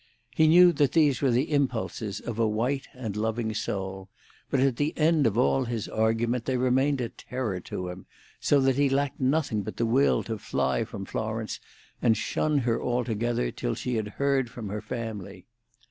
He knew that these were the impulses of a white and loving soul; but at the end of all his argument they remained a terror to him, so that he lacked nothing but the will to fly from Florence and shun her altogether till she had heard from her family.